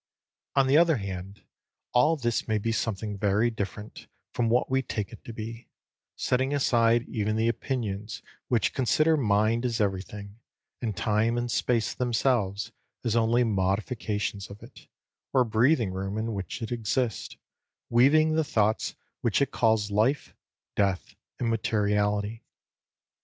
On the other hand, all this may be something very different from what we take it to be, setting aside even the opinions which consider mind as everything, and time and space themselves as only modifications of it, or breathing room in which it exists, weaving the thoughts which it calls life, death, and materiality.